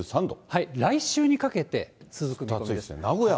来週にかけて続く見通し。